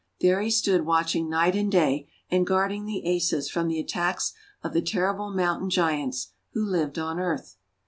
There he stood watching night and day, and guarding the Asas from the attacks of the terrible Mountain Giants who lived on earth.